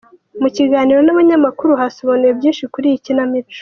Mu kiganiro n'abanyamakuru hasobanuwe byinshi kuri iyi kinamico.